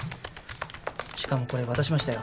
しかもこれ渡しましたよ。